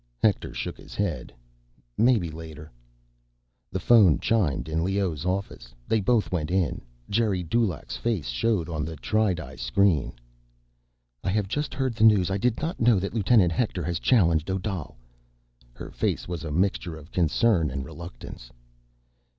Hector shook his head. "Maybe later." The phone chimed in Leoh's office. They both went in. Geri Dulaq's face showed on the tri di screen. "I have just heard the news. I did not know that Lieutenant Hector has challenged Odal." Her face was a mixture of concern and reluctance.